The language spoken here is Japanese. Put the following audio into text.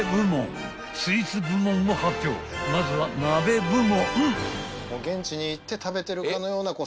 ［まずは鍋部門］